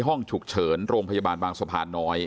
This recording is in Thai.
ห้องฉุกเฉินโรงพยาบาลบางสะพานน้อย